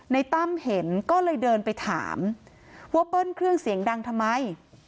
ตั้มเห็นก็เลยเดินไปถามว่าเบิ้ลเครื่องเสียงดังทำไม